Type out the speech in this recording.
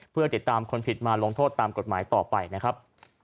เพื่อติดตามคนผิดมาลงโทษตามกฎหมายต่อไปนะครับ